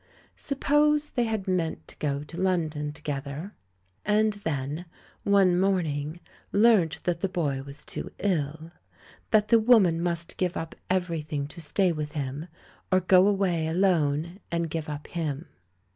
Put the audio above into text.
Suppose they had meant to go to London together, and then, — one morning, learnt that the boy was too ill — that the woman must give up everything to stay with him, or go away alone and give up him?